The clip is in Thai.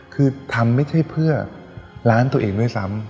คือทำไม่ใช่เพื่อร้านตัวเองด้วยซ้ำ